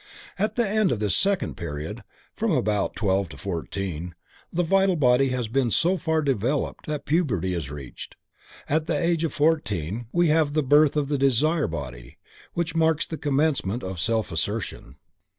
At the end of this second period: from about twelve to fourteen, the vital body has been so far developed that puberty is reached. At the age of fourteen we have the birth of the desire body, which marks the commencement of self assertion.